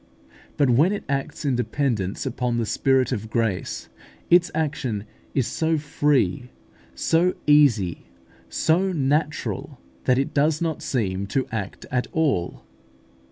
But when it acts in dependence upon the Spirit of grace, its action is so free, so easy, so natural, that it does not seem to act at all.